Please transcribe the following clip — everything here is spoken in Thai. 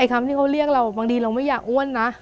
คำที่เขาเรียกเราบางทีเราไม่อยากอ้วนนะ